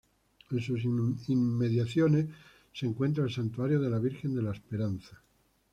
En sus inmediaciones se encuentra el Santuario de la Virgen de la Esperanza.